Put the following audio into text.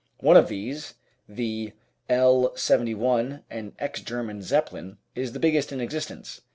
One of these, the L. 71, an ex German Zeppelin, is the biggest in existence.